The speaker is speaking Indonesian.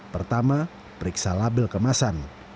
pertama periksa label kemasan